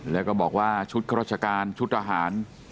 แล้วก็บอกว่าชุดข้าราชการชุดทหาร